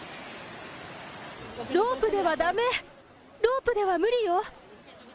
ロープではだめ、ロープでは無理よ。